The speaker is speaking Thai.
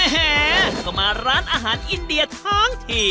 แหมก็มาร้านอาหารอินเดียทั้งที